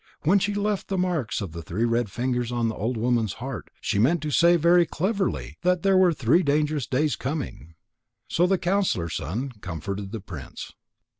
When she left the marks of three red fingers on the old woman's heart, she meant to say very cleverly that there were three dangerous days coming." So the counsellor's son comforted the prince.